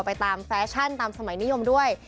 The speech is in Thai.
ไปตามแฟชั่นตามสมัยนิยมด้วย